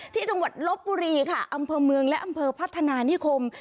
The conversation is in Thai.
ที่จังหวัดลบบุรีค่ะอำเภอเมืองและอำเภอพัฒนานิคม